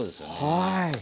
はい。